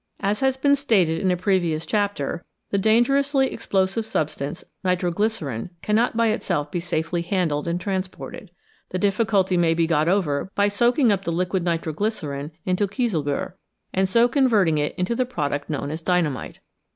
As has been stated in a previous chapter, the dangerously explosive substance nitro glycerine cannot by itself be safely handled and transported. The difficulty may be got over by soaking up the liquid nitro glycerine into Icieselguhr, and so converting it into the product known as dynamite.